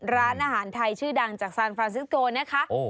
ร้านอาหารไทยชื่อดังจากซานฟราซิปโกนะคะ